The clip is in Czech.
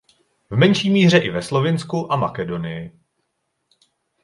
V menší míře i ve Slovinsku a Makedonii.